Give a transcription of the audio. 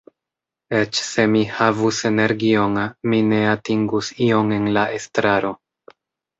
Eĉ se mi havus energion, mi ne atingus ion en la estraro.